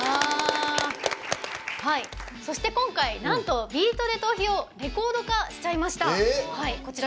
そして今回なんと「ビートＤＥトーヒ」をレコード化しちゃいました。